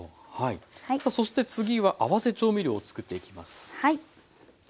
さあそして次は合わせ調味料を作っていきます。